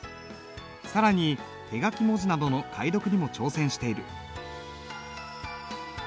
更に手書き文字などの解読にも挑戦している。